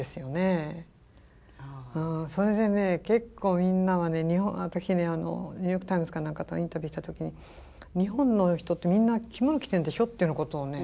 それで結構みんなはね私「ニューヨーク・タイムズ」か何かのインタビューした時に日本の人ってみんな着物着てるんでしょ？というようなことをね。